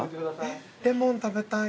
レモン食べたい。